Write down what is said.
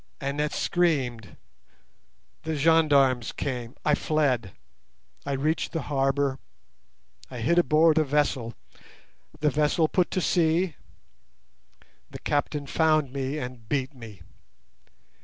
Annette screamed. The gendarmes came. I fled. I reached the harbour. I hid aboard a vessel. The vessel put to sea. The captain found me and beat me.